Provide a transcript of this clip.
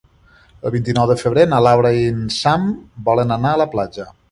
El vint-i-nou de febrer na Laura i en Sam volen anar a la platja.